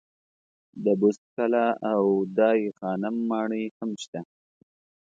د بست کلا او دای خانم ماڼۍ هم شته.